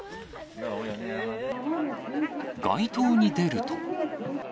街頭に出ると。